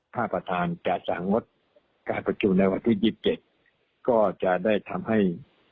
ถ้าประธานจะสั่งงดการประชุมในวันที่๒๗ก็จะได้ทำให้